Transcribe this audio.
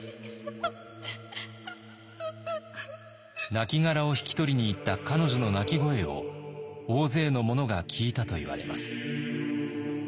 なきがらを引き取りに行った彼女の泣き声を大勢の者が聞いたといわれます。